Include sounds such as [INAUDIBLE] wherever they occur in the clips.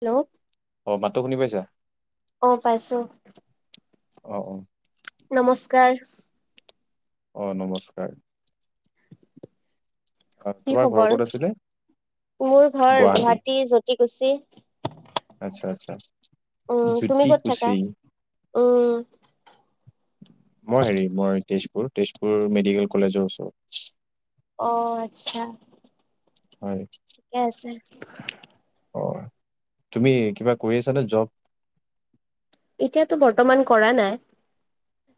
Hello অঁ মাতটো শুনি পাইছা? অঁ পাইছোঁ। অঁ অঁ। নমস্কাৰ। অঁ নমস্কাৰ। আহ, কি তোমাৰ ঘৰ খবৰ? ক'ত আছিলে? মোৰ ঘৰ গুৱাহাটী জতিকুছি। আচ্ছা আচ্ছা, উম তুমি জুতি ক'ত থাকা? কুচি। উম মই হেৰী মই তেজপুৰ তেজপুৰ মেডিকেল কলেজৰ ওচৰ। অঁ আচ্ছা। হয়। ঠিকে আছে। অঁ, তুমি কিবা কৰি আছানে জব? এতিয়াটো বৰ্তমান কৰা নাই।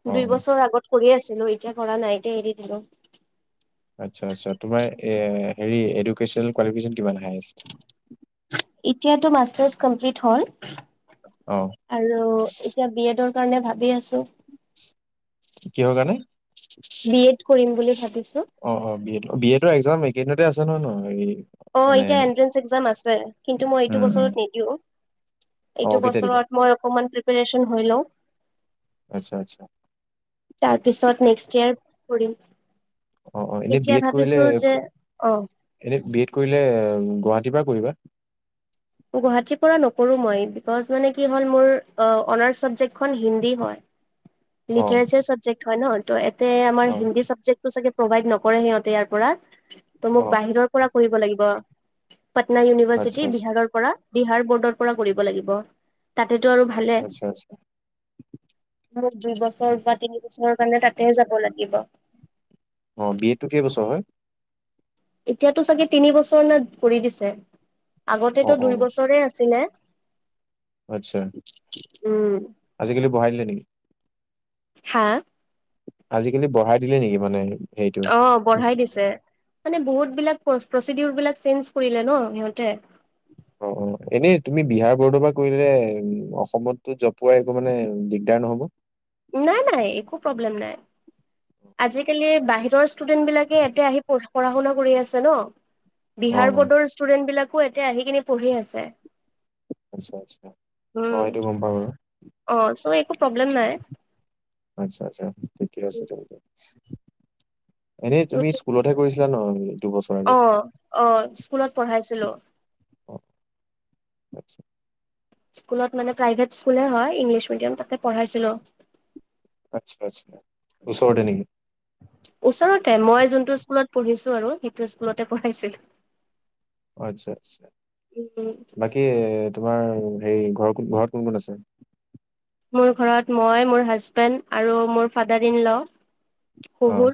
অ', দুই অ'। বছৰ আগত কৰিয়ে আছিলোঁ। এতিয়া কৰা নাই, এতিয়া এৰি দিলোঁ। আচ্ছা আচ্ছা, তোমাৰ এ হেৰী এডুকেশ্বন কোৱালিফিকেচন কিমান হায়েষ্ট? ইতিয়াতো মাষ্টাৰ্চ কমপ্লিট হ'ল। অঁ। আৰু এতিয়া বি এডৰ কাৰণে ভাবি আছোঁ। কিহৰ কাৰণে? বি এড কৰিম বুলি ভাবিছোঁ। অঁ অঁ, বি এড বি এডৰ একজাম এইকেইদিনতে আছে নহয় ন? এই অঁ এতিয়া এন্ট্ৰেঞ্চ একজাম আছে। কিন্তু মই এইটো উম, উম। বছৰত নিদিওঁ। অ', এইটো কেতিয়া দিবা? বছৰত মই অকমান প্ৰিপেৰেছন হৈ লওঁ। আচ্ছা আচ্ছা। তাৰ পিছত নেক্সট ইয়েৰ কৰিম। অ', অ', এতিয়া ভাবিছোঁ যে অঁ এনেই বি এড কৰিলে এ গুৱাহাটীৰ পৰাই কৰিবা? গুৱাহাটীৰ পৰা নকৰোঁ মই বিকউজ মানে কি হ'ল মোৰ অঁ অনাৰ্চ চাবজেক্টখন হিন্দী হয়। [INAUDIBLE] লিটাৰেচাৰ চাবজেক্ট হয় ন, ত' এতে আমাৰ অ'। হিন্দী চাবজেক্ট টো চাগে প্ৰভাইড নকৰে সিহঁতে ইয়াৰ পৰা, ত' অ মোক বাহিৰৰ পৰা কৰিব লাগিব। পাটনা আচ্ছা ইউনিভাৰ্চিটি আচ্ছা বিহাৰৰ পৰা বিহাৰ বৰ্ডৰ পৰা কৰিব লাগিব। তাতেটো আৰু ভালে। আচ্ছা আচ্ছা মোৰ দুই বছৰ বা তিনি বছৰৰ কাৰণে তাতে যাব লাগিব। অ বি এডটো কেইবছৰ হয়? এতিয়াতো চাগে তিনি বছৰ না কৰি দিছে। অ আগতেটো অ দুই বছৰে আছিলে। আচ্ছা, উম আজিকালি বঢ়াই দিলে নেকি? হা? আজিকালি বঢ়াই দিলে নেকি মানে? হেৰিটো অঁ বঢ়াই দিছে। মানে বহুত বিলাক প্ৰ প্ৰচিডিউলবিলাক চেঞ্জ কৰিলে ন সিহঁতে। অ অ এনেই তুমি বিহাৰ বৰ্ডৰ পৰা কৰিলে উম অসমতো জব পোৱাৰ একো মানে দিগদাৰ নহব? নাই নাই একো প্ৰব্লেম নাই। আজিকালি বাহিৰৰ ষ্টুডেন্টবিলাকে ইয়াতে আহি প পঢ়া শুনা কৰি আছে ন। অ বিহাৰ অ বৰ্ডৰ ষ্টুডেন্টবিলাকো এতিয়া আহি কিনে পঢ়ি আছে। আচ্ছা আচ্ছা, অ উম সেইটো গম পাওঁ বাৰু। অ চ' একো প্ৰব্লেম নাই। আচছা আচ্ছা ঠিকে আছে তেন্তে এনে তুমি স্কুলত সে কৰিছিলা ন দুবছৰ অ আগত। অ স্কুলত পঢ়াইছিলো। অ আচ্ছা স্কুলত মানে প্ৰাইভেট স্কুলে হয় ইংলিছ মিডিয়াম তাতে পঢ়াইছিলো। আচ্ছা আচ্ছা, ওচৰতে নেকি ওচৰতে, মই যোনটো স্কুলত পঢ়িছো আৰু সেইটো স্কুলতে পঢ়াইছিলোঁ। অ আচ্ছা আচ্ছা, উম বাকী তোমাৰ হেৰি ঘৰ কোন ঘৰত কোন কোন আছে? মোৰ ঘৰত মই মোৰ হাজবেণ্ড আৰু মোৰ ফাদাৰ ইন ল। অ শহুৰ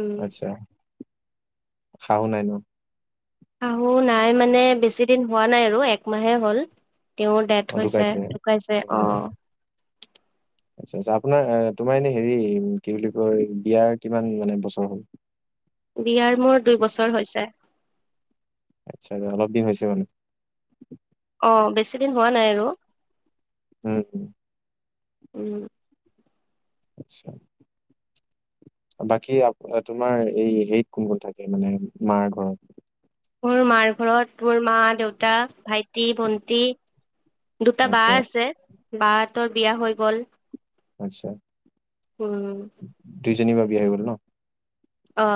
উম আচ্ছা শাহু নাই ন? শাহু নাই মানে বেছি দিন হোৱা নাই আৰু একমাহে হ'ল। তেওঁৰ ডেথ অ হৈছে ঢুকাইছে ধুকাইছে অ। উম আচ্ছা আচ্ছা আপোনাৰ তোমাৰ এনে হেৰি কি বুলি কয় বিয়াৰ কিমান মানে বছৰ হ'ল। বিয়াৰ মোৰ দুইবছৰ হৈছে। আচ্ছা অলপদিন হৈছে মানে। অ বেছি দিন হোৱা নাই আৰু। উম উম আচ্ছা। বাকী আ তোমাৰ এই হেৰিত কোন কোন থাকে মানে মাৰ ঘৰত? মোৰ মাৰ ঘৰত মোৰ মা, দেউতা, ভাই টি, ভন্টি দুটা বা আচ্ছা আছে, বাহতৰ বিয়া হৈ গল। আচ্ছা। উম। দুইজনী বা বিয়া হৈ গ'ল ন? অ।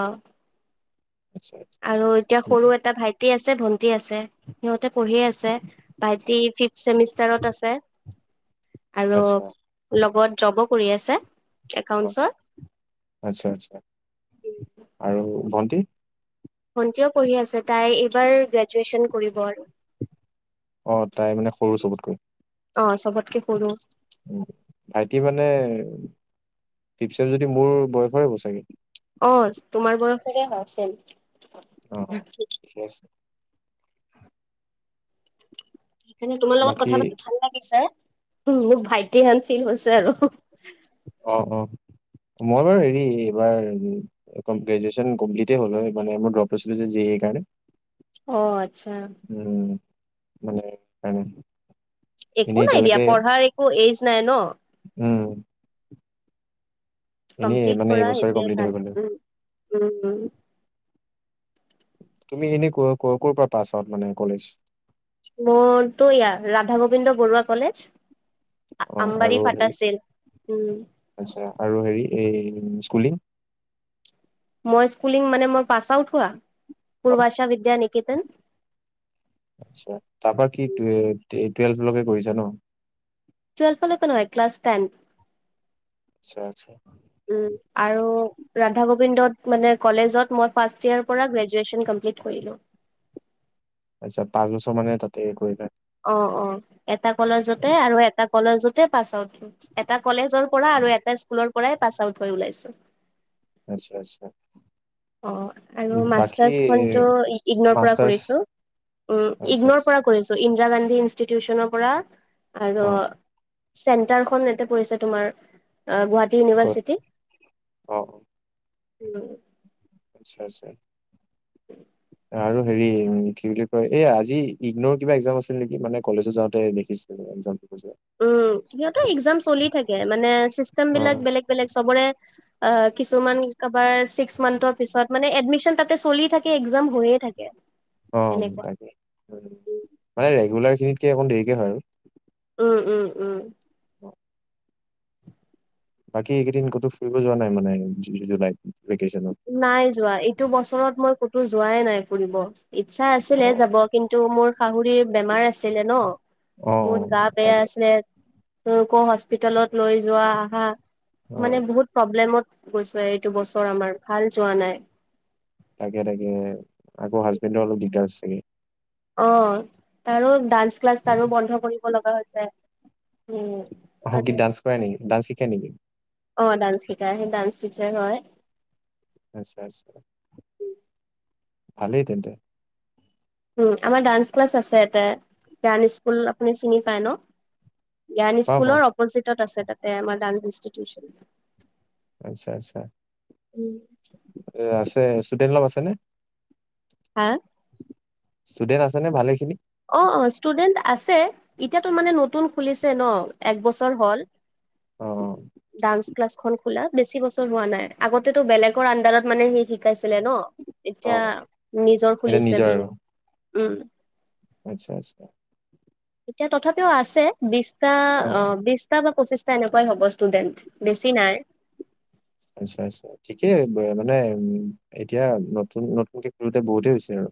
নিশ্চয়। আৰু এতিয়া সৰু এটা ভাই টি আছে ভন্টি আছে সিহঁতে পঢ়িয়ে আছে ভাইটি ফিফ চেমিষ্টাৰত আছে। [INAUDIBLE] আৰু লগত জবো কৰি আছে অ একাউণ্টছৰ। আচ্ছা আচ্ছা আৰু ভণ্টি? ভণ্টিও পঢ়ি আছে তাই এইবাৰ গ্ৰেজুৱেচন কৰিব আৰু। অ তাই মানে সৰু চবতকৈ? অ চবতকে সৰু। ভাইটি মানে ফিফ চেম যদি মোৰ বয়সৰে হ'ব চাগে। অ তোমাৰ বয়সৰে হয় চেম। অ ঠিকে আছে। এনেই তোমাৰ লগত বাকী কথা পাতি ভাল লাগিছে। মোৰ ভাইটি হেন ফিল হৈছে আৰু। অ অ মই বাৰু হেৰি এইবাৰ কমল্পেজেশ্যন কমপ্লিটেই হ'ল হয় মানে মোৰ ড্ৰপ আছিলো যে সেই কাৰণে। অ আচ্ছা। উম মানে [UNINTELLIGIBLE] এনেই একো নাই দিয়া এতিয়ালৈকে পঢ়াৰ একো এইজ নাই ন। উম। এনেই কমপ্লিট মানে কৰা এইবছৰে সেইটোয়ে কমপ্লিট হৈ ভাল গ'ল হয়। উম উম উম। তুমি এনে ক'ৰ ক'ৰ পৰা পাছ আউট মানে কলেজ। মনতো ইয়া ৰাধা গোবিন্দ বৰুৱা কলেজ। অ' আৰু আম্বাৰী হেৰি ফাটাছিল উম। আচ্ছা আৰু হেৰি এই স্কুলিং? মই স্কুলিং মানে মই পাছ আউট হোৱা অ' পূৰ্বাশা বিদ্যা নিকেতন। আচ্ছা তাৰপা কি টুৱে টি টুৱেলভলৈকে কৰিছা ন? টুৱেলভলৈকে নহয় ক্লাছ টেন। আচ্ছা আচ্ছা। উম আৰু ৰাধা গোবিন্দত মানে কলেজত মই ফাৰ্ষ্ট ইয়াৰ পৰা গ্ৰেজুৱেচন কমল্পিট কৰিলো। আচ্ছা পাঁচ বছৰ মানে তাতে কৰিলা। অ অ এটা কলেজতে আৰু এটা কলেজতে পাছ আউট থো। এটা কলেজৰ পৰা আৰু এটা স্কুলৰ পৰাই পাছ আউট কৰি ওলাইছো। আচ্ছা আচ্ছা। অ আৰু বাকী মাষ্টাৰ্চ খো ইগনৰ পৰা মাষ্টাৰ্ছ কৰিছো, উম আচ্ছা ইগনৰ আচ্ছা পৰা কৰিছো ইন্দিৰা গান্ধী ইনষ্টিটিউচনৰ পৰা, আৰ অ' চেণ্টাৰখন পৰিছে তোমাৰ, গুৱাহাটী ক'ত? ইউনিভাৰ্চিটি। অ' উম। আচ্ছা আচ্ছা। আৰু হেৰি কি বুলি কয় এই আজি ইগনোৰ কিবা এক্সাম আছিল নেকি মানে কলেজ যাওঁতে দেখিছ- নে একজামটো পিছত উম সিহঁতৰ একজাম চলি থাকে মানে চিষ্টেম অ বিলাক বেলেগ বেলেগ চবৰে। অ কিছুমান কাবাৰ ছিক্স মান্থৰ পিছত মানে এডমিশন তাতে চলি থাকে একজাম হৈয়ে থাকে। অ এনেকুৱা তাকে মানে ৰেগুলাৰ খিনিতকে অকণ দেৰিকে হয় আৰু। উ উম উম। উ বাকী এইকেইদিন কতো ফুৰিব যোৱা নাই মানে জুলাইত ভেকেশ্চনত। নাই যোৱা এইটো বছৰত মই ক'তো যোৱাই নাই ফুৰিব। ইচ্ছা অ আছিলে যাব কিন্তু মোৰ শাহোৰি বেমাৰ আছ- ছিলে ন, অ মোৰ গা বেয়া তাকে আছিলে। তেওঁ ক হস্পিতালত লৈ যোৱা আহা অ মানে বহুত। প্ৰব্লেমত গৈছো এইটো বছৰ আমাৰ ভাল যোৱা নাই। তাকে তাকে, আকৌ হাজবেণ্ডৰ অলপ দিগদাৰ চাগে। অহ, তাৰো ডান্স ক্লাছ তাৰো বন্ধ কৰিব লগা হৈছে। উম, অ'হ আৰু ডান্স কৰে নেকি, ডান্স শিকাই নেকি? অ ডান্স শিকাই, সেই ডান্স টিচাৰ্ছ হয়। আচ্ছা আচ্ছা, ভালেই তেন্তে উম আমাৰ ডান্স ক্লাছ আছে এতে, ডান স্কুল আপুনি চিনি পায় ন? জ্ঞান পাওঁ পাওঁ স্কুলৰ অপজিটত আছে তাতে আমাৰ ডান্স ইনষ্টিটিউচন। আচ্ছা আচ্ছা, উম, আছে ষ্টুডেণ্ট অলপ আছেনে? হা। ষ্টুডেন্ট আছে নে ভালে খিনি? অ' অ' ষ্টুডেণ্ট আছে, এতিয়াতো মানে নতুন খুলিছে ন, এক বছৰ হ'ল। অ অ ডান্স - ক্লাছ খন খোলা বেছি বছৰ হোৱা নাই, আগতেতো বেলেগৰ আডাৰত মানে সেই শিকাইছিলে ন। অ এতিয়া নিজৰ এতিয়া খুলিছে নিজৰ বুলি, আৰু উম। আচ্ছা আচ্ছা। এতিয়া তথাপিও আছে বিশটা অ বিশ- বা পঁচিছটা এনেকুৱাই হ'ব ষ্টুডেণ্ট বেছি নাই। আচ্ছা আচ্চা। ঠিকেই মানে, উম এতিয়া নতুন নতুনকে খেলোতে বহুতেই হৈছে আৰু।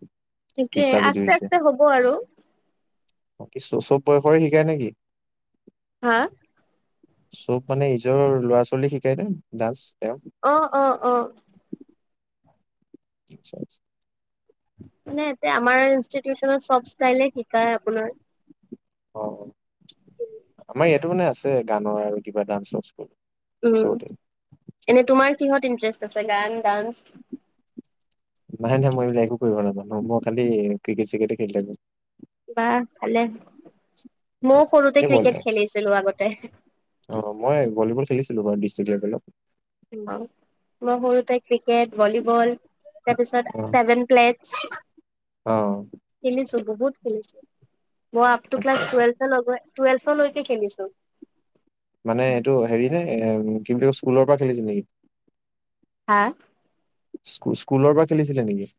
সেইটোয়ে ইষ্ঠা যদি আস্তে হৈছে, আস্তে হ'ব আৰু বাকী চব বয়সৰে শিকায় নে কি? হা? চব মানে ইজৰ ল'ৰা ছোৱালী শিকায় নে, ডান্স তেওঁ? অ'-অ'-অ'। আচ্ছা [UNINTELLIGIBLE] মানে এতিয়া আমাৰ ইনষ্টিটিউচনত চব ষ্টাইলে শিকায় আপোনাৰ। অ' [UNINTELLIGIBLE] ইয়তো মানে আছে গানৰ আৰু কিবা ডান্স চাইন্স কৰি। উম এনে তোমাৰ কিহত ইণ্টাৰেষ্ট আছে গান, ডান্স? নাই নাই, মই এইবিলাক একো কৰিব নাজানো, মই খালি ক্ৰিকেট চিকেটে খেলি থাকো। বাহ ভালে, মই অ', সৰুতে এনে বল ক্ৰিকেট খেলিছিলো আগতে। অ' মই ভলীবল খেলিছিলো বাৰু ডিষ্ট্ৰিক লেভেলত‌। মই সৰুতে ক্ৰিকেট, ভলীবল তাৰপিছত অ', ছেভেন প্লেট অ', খেলিছো, বহুত খেলিছো, মই আপটো আচ্ছা, ক্লাছ আচ্ছা। টোৱেলৱ হেল্লৌ গৈ, টুৱেল্ভ লৈকে খেলিছো। মানে এইটো হেৰি নে, কিন্তু স্কুলৰ পৰা খেলিছে নেকি? হা? স্কু, স্কুলৰ পৰা খেলিছিলে নেকি?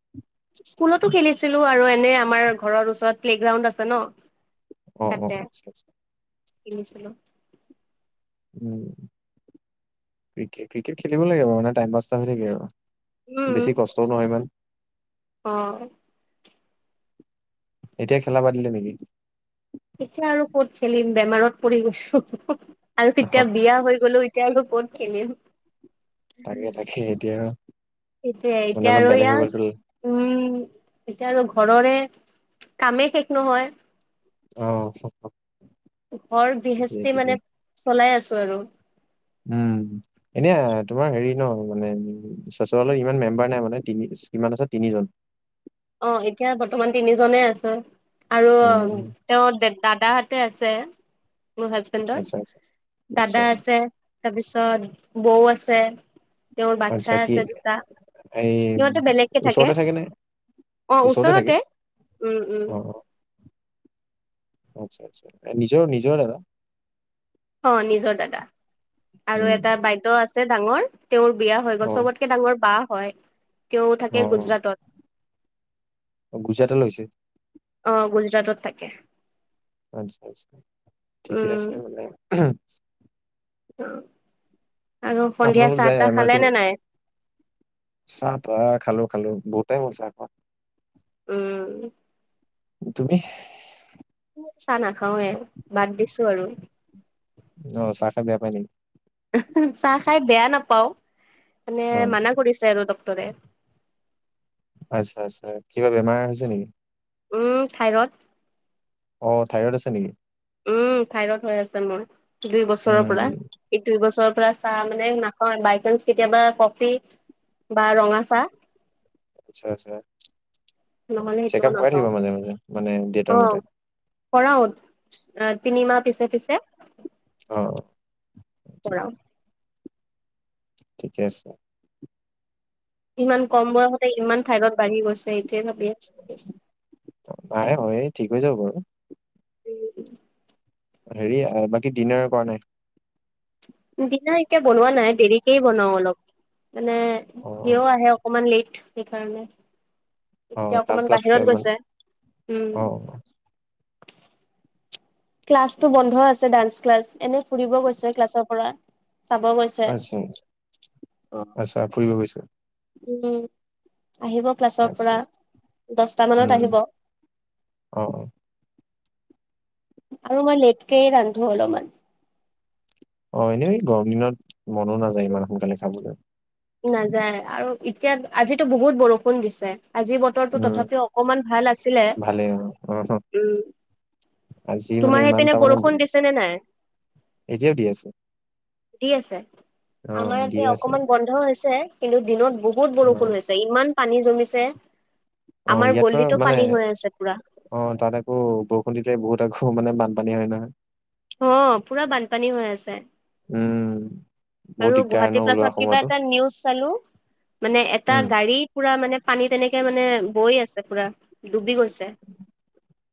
স্কুলতো খেলিছিলো আৰু এনে আমাৰ ঘৰৰ ওচৰত প্লেগ্ৰাউড আছে ন। অহ-অহ আচ্ছা আচ্ছা। খেছিললো। উম, ক্ৰিকেট ক্ৰিকেট খেলিব লাগে বাৰু মানে টাইম পাচটা হৈ থাকে আৰু। বেছি কষ্টও নহয় ইমান। অ'হ। এতিয়া খেলা পাতিলে নেকি? তেতিয়া আৰু ক'ত খেলিম, বেমাৰত পৰি গৈছো, আৰু অহ ইতিয়া বিয়া হৈ গলোও এতিয়ানো ক'ত খেলিম। তাকে তাকে এতিয়া সেইটোয়ে, মানে এতিয়া অলপ আৰু বেলেগ হৈ গ'লতো ইয়াত উম এতিয়া আৰু ঘৰৰে, কামেই শেষ নহয়। অ হ'হ। ঘৰ বিহেচতি মানে চলাই আছো আৰু। উম। এনে তোমাৰ হেৰি ন মানে চুৱালৰ ইমান মেম্বাৰ নাই মানে, তিনি কিমান আছে তিনিজন? অ এতিয়া বৰ্তমান তিনি জনে আছে, আৰু উম তেওঁ দে দাদাহতে আছে, মোৰ হাজবেণ্ডৰ, আচ্ছা আচ্ছা আচ্ছা দাদা আছে তাৰপিছত বৌ আছে, তেওঁৰ আচ্ছা বাচ্ছা কি আছে দুটা। এই সিহঁতে বেলেগকে ওচৰতে থাকে নে? ওচৰতে থাকে, উম উম অ' অ'হ। আচ্ছা-আচ্ছা, এ নিজৰ নিজৰ দাদা? অ নিজৰ দাদা আৰু উম এটা বাইদেউ আছে ডাঙৰ, তেওঁৰ বিয়া হৈ অ গ'ল চবত একে ডাঙৰ বা হয়। তেওঁ থাকে গুজৰাটত। অ গুজৰাট লৈছে? অ গুজৰাটত থাকে। আচ্ছা আচ্ছা, ঠিকে উম। আছে মানে [UNINTELLIGIBLE] [UNINTELLIGIBLE] আৰু সন্ধিয়া আপোনালোক চাহ যায় তাহ খালে নে নাই? চাহ-তাহ খালো খালো, বহুতেই হল চা খোৱা। উম। তুমিহ চাহ নাখাওৱে, বাদ দিছো আৰু। অ চাহ খাই বেয়া পায় নে? উমহো চাহ খাই বেয়া নাপাওঁ, মানে অ মানা কৰিছে আৰু ডক্টৰে। আচ্ছা আচ্ছা, কিবা বেমাৰ হৈছে নেকি? উম থাইৰত। অ থাইৰইড আছে নেকি? উম থাইৰড হৈ আছে মোৰ, দুই বছৰৰ পৰা। উম ই দুই বছৰৰ পৰা চাহ মানে নাখাওএ বাইছেনচ কেতিয়াবা কফি বা ৰঙা চাহ। আচ্ছা আচ্ছা, নহ'লে চেক সেইটোও আপ কৰাই নাখাওঁ থাকিবা মাজে মাজে মানে ডেটৰ মতে। কৰাওত, তিনিমাহ পিছে পিছে। অ। আচ্ছা কৰাও। ঠিকে আছে। ইমান কম বয়সতে ইমান থাইৰড বাঢ়ি গৈছে এইটোৱে ভাবি আছ নাই হয় ঠিক হৈ যাব বাৰু হেৰি বাকী ডিনাৰ কৰা নাই? দিনাৰ এতিয়া বনোৱা নাই, দেৰিকেই বনাওঁ অলপ। মানে অ সিও আহে অকমান লেইট, সেইকাৰণে। অ এতিয়া ডান্স অকণমান ক্লাছ বাহিৰত গৈছে, উম। অ ক্লাছটো বন্ধ আছে ডান্স ক্লাছ, এনেই ফুৰিব গৈছে ক্লাছৰ পৰা। চাব গৈছে আচ্ছা, আচ্ছা ফুৰিব গৈছে? উম আহিব ক্লাছৰ আচ্ছা পৰা, দছটা মানত উম আহিব। অ। আৰু মই লেটকেয়ে ৰান্ধো অলমান। অ এনেই গৰম দিনত মনো নাযায় ইমান সোনকালে খাবলে। নাযায় আৰু এতিয়া আজিতো বহুত বৰষুণ দিছে, আজি বতৰটো উম তথাপিও অকমান ভাল আছিলে, ভালে অ অ উম। আজি মানে তোমাৰ সেই ইমান পিনে তাৰ মানে বৰষুণ গ- দিছে নে নাই? এতিয়াও দি আছে। দি আছে। অ আমাৰ ইতিয়াতে দিয়ে আছে অকমান বন্ধ হৈছে কিন্তু, দিনত বহুত অ বৰষুণ হৈছে। ইমান পানী জমিছে, অ আমাৰ ইয়াত বাৰু গলিতো মানে পানী হৈ আছে পুৰা। অ তাত আকৌ, বৰষুণ দিলে বহুত আকৌ মানে বানপানী হয় নহয়। অ পুৰা বানপানী হৈ আছে। উম বহুত আৰু দিগদাৰ ন গুৱাহাটী ওলোৱা প্লাছত কিবা সময়তো এটা নিউজ চালো, মানে এটা উম গাড়ীত পুৰা মানে পানী তেনেকে মানে বৈ আছে পুৰা, ডুবি গৈছে।